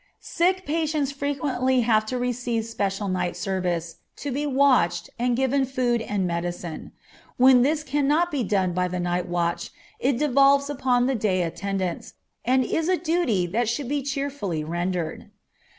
Sick patients frequently have to receive special night service, to be watched, and given food and medicine. When this cannot be done by the night watch, it devolves upon the day attendants, and is a duty that should be cheerfully rendered.